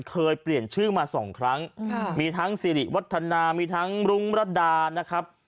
เคยเปลี่ยนชื่อมาสองครั้งมีทั้งสิริวัฒนามีทั้งรุ้งรัดดานะครับ